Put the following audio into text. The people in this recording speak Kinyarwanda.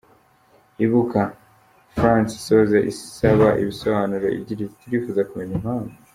Ibuka-France isoza isaba ibisobanururo, igira iti "Turifuza kumenya impamvu.